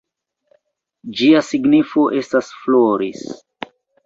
Ĝia signifo estas “floris”.